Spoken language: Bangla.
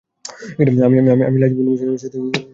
আমি লাঈছ বিন মোশানের অন্তরঙ্গ বন্ধু।